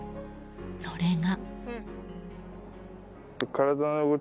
それが。